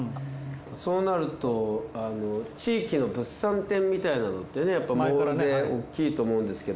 そうなると地域の物産展みたいなのってねやっぱモールでおっきいと思うんですけど